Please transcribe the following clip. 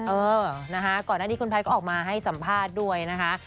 เออนะคะก่อนหน้านี้คุณแพทย์ก็ออกมาให้สัมภาษณ์ด้วยนะคะ